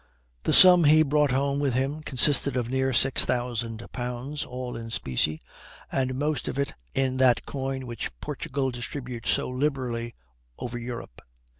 The sum he brought home with him consisted of near six thousand pounds, all in specie, and most of it in that coin which Portugal distributes so liberally over Europe.